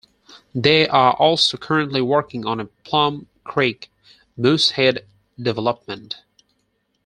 They are also currently working on a Plum Creek Moosehead development.